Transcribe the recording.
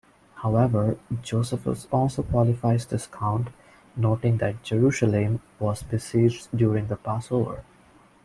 However, Josephus also qualifies this count, noting that Jerusalem was besieged during the Passover.